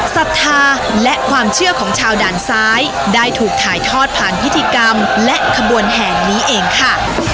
ศรัทธาและความเชื่อของชาวด่านซ้ายได้ถูกถ่ายทอดผ่านพิธีกรรมและขบวนแห่งนี้เองค่ะ